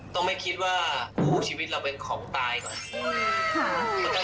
ต้องไม่คิดว่าชีวิตเราเป็นของตายก่อน